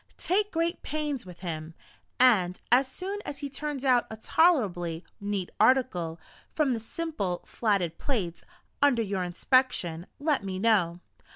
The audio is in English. Take great pains with him, and as soon as he turns out a tolerably neat article, from the simple flatted plates, under your inspection, let me know.